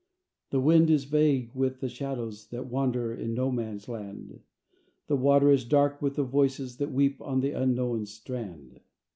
The wind is vague with the shadows That wander in No Man's Land; The water is dark with the voices That weep on the Unknown's strand.